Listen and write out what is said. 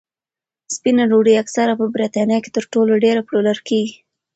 سپینه ډوډۍ اکثره په بریتانیا کې تر ټولو ډېره پلورل کېږي.